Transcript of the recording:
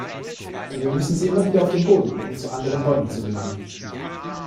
Dabei müssen sie immer wieder auf den Boden, um zu anderen Bäumen zu gelangen.